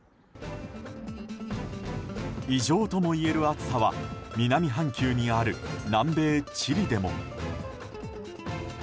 異常ともいえる暑さは南半球にある南米チリでも。